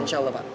insya allah pak